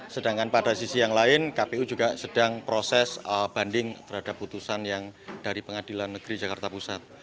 sedangkan pada sisi yang lain kpu juga sedang proses banding terhadap putusan yang dari pengadilan negeri jakarta pusat